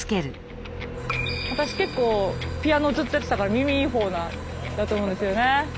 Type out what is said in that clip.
私結構ピアノずっとやってたから耳いいほうなんだと思うんですよね。